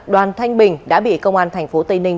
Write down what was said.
đoàn thanh bình đã bị công an tp tây ninh